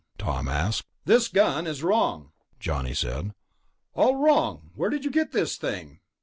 Tom asked. "This gun is wrong," Johnny said. "All wrong. Where did you get this thing?"